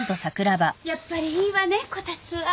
やっぱりいいわねこたつは。